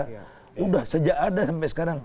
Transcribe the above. sudah sejak ada sampai sekarang